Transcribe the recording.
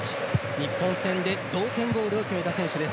日本戦で同点ゴールを決めた選手です。